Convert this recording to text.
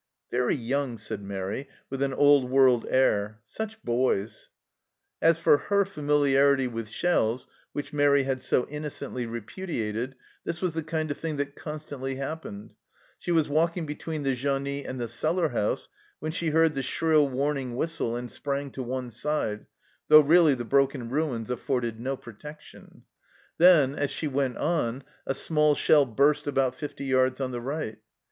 " Very young," said Mairi, with an old world air 178 THE CELLAR HOUSE OF PERVYSE " such boys !" As for her familiarity with shells, which Mairi had so innocently repudiated, this was the kind of thing that constantly happened : she was walking between the genie and the cellar house, when she heard the shrill warning whistle, and sprang to one side, though really the broken ruins afforded no protection ; then, as she went on, a small shell burst about fifty yards on the right.